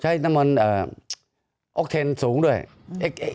ใช้น้ำมันออคเทนทรัพย์สูงด้วยนะฮะ